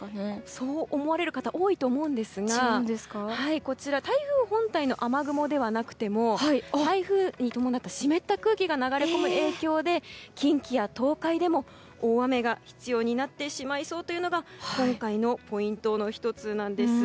そう思われる方多いと思うんですが台風本体の雨雲ではなくても台風に伴った湿った空気が流れ込む影響で近畿や東海でも大雨が必要になってしまいそうというのが今回のポイントの１つなんです。